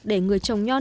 để người trồng nho nếp